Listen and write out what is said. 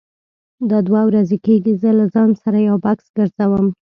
دا دوه ورځې کېږي زه له ځان سره یو بکس ګرځوم.